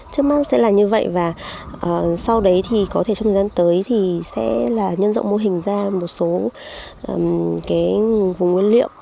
trước mắt sẽ là như vậy và sau đấy thì có thể trong thời gian tới thì sẽ là nhân rộng mô hình ra một số vùng nguyên liệu